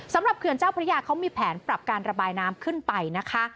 เขื่อนเจ้าพระยาเขามีแผนปรับการระบายน้ำขึ้นไปนะคะ